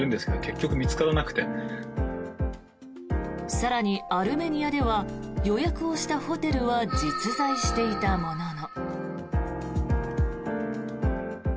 更に、アルメニアでは予約をしたホテルは実在していたものの。